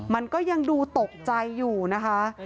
มันก็ยังดูตกใจอยู่นะคะ